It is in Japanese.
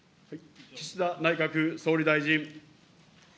岸田内閣総理大臣。